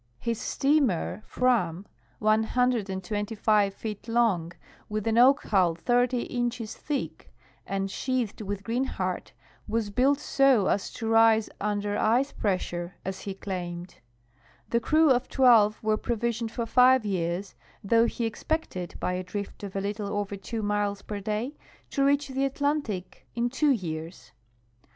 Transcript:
His steamer, Frnm, 125 feet long, with an oak hull 30 inches thick and sheathed with greenheart, was built so as to rise under ice jn essure, as he claimed. The crew of twelve were provisioned for five years, though he expected, by a drift of a little over two miles per day, to reach the Atlantic in two years.